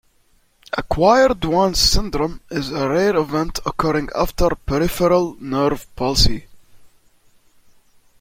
Acquired Duane's syndrome is a rare event occurring after peripheral nerve palsy.